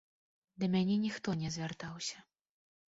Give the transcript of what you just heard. Да мяне ніхто не звяртаўся.